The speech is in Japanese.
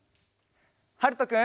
はるとくん。